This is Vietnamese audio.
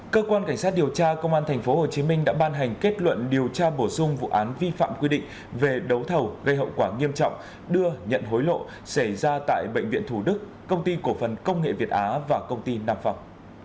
cơ quan cảnh sát điều tra công an tp hcm đã ban hành kết luận điều tra bổ sung vụ án vi phạm quy định về đấu thầu gây hậu quả nghiêm trọng đưa nhận hối lộ xảy ra tại bệnh viện thủ đức công ty cổ phần công nghệ việt á và công ty nam phòng